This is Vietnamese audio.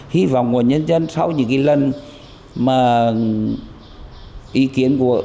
hy vọng của nhân dân sau những cái lần mà ý kiến của